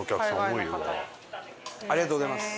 ありがとうございます。